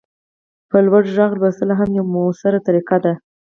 په لوړ غږ لوستل هم یوه مؤثره طریقه ده.